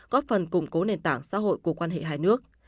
góp phần củng cố nền tảng xã hội của quan hệ hai nước